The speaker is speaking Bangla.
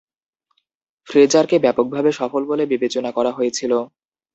ফ্রেজারকে ব্যাপকভাবে সফল বলে বিবেচনা করা হয়েছিল।